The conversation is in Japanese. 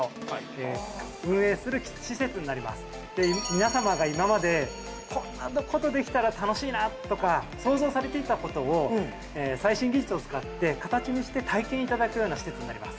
皆様が今までこんなことできたら楽しいなとか想像されていたことを最新技術を使って形にして体験いただくような施設になります。